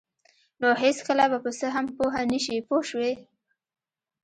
نو هېڅکله به په څه هم پوه نشئ پوه شوې!.